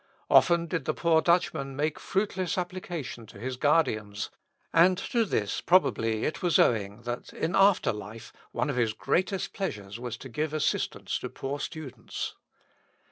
Often did the poor Dutchman make fruitless application to his guardians, and to this probably it was owing, that, in after life, one of his greatest pleasures was to give assistance to poor students.